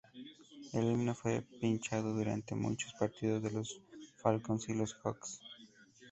El himno fue pinchado durante muchos partidos de los Falcons y los Hawks.